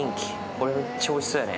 これ、めっちゃおいしそうやね。